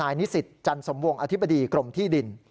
นายนิสิทธิ์จันทร์สมวงอธิบดีกรมที่ดิน